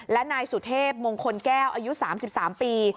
และนายสุเทพมงคลแก้วอายุ๓๓ปี